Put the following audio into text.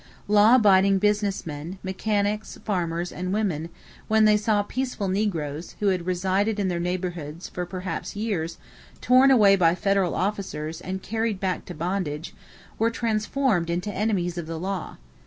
Law abiding business men, mechanics, farmers, and women, when they saw peaceful negroes, who had resided in their neighborhoods perhaps for years, torn away by federal officers and carried back to bondage, were transformed into enemies of the law.